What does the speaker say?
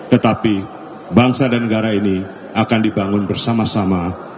tetapi bangsa dan negara ini akan dibangun bersama sama